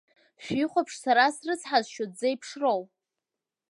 Шәихәаԥш сара срыцҳазшьо дзеиԥшроу.